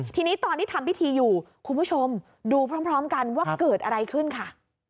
ทีนี้ตอนที่ทำพิธีอยู่คุณผู้ชมดูพร้อมกันว่าเกิดอะไรขึ้นค่ะ